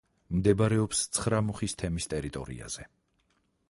მდებარეობს ცხრამუხის თემის ტერიტორიაზე.